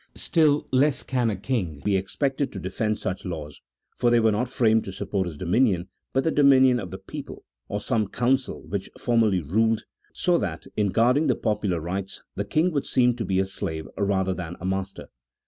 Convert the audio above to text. Still less can a king be expected to defend such laws, for they were not framed to support his dominion, but the dominion of the people, or some council which formerly ruled, so that in guarding the popular rights the king would seem to be a slave rather than a master.